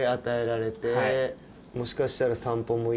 もしかしたら。